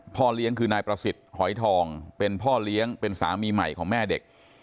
พ่อเลี้ยงคือนายประสิทธิ์หอยทองเป็นพ่อเลี้ยงเป็นสามีใหม่ของแม่เด็ก